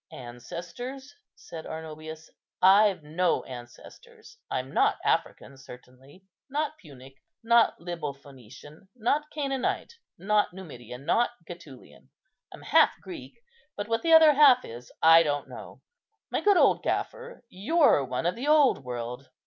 "Ancestors?" said Arnobius; "I've no ancestors. I'm not African certainly, not Punic, not Libophœnician, not Canaanite, not Numidian, not Gætulian. I'm half Greek, but what the other half is I don't know. My good old gaffer, you're one of the old world.